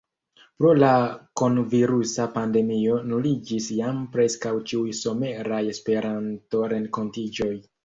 Pro la kronvirusa pandemio nuliĝis jam preskaŭ ĉiuj someraj Esperanto-renkontiĝoj.